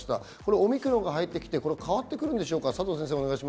オミクロンが入ってきて、これは変わってくるんでしょうか、佐藤先生。